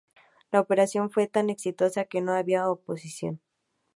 La operación fue tan exitosa que no había oposición.